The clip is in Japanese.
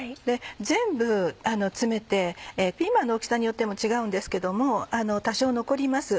全部詰めてピーマンの大きさによっても違うんですけども多少残ります。